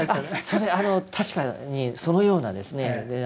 それあの確かにそのようなですね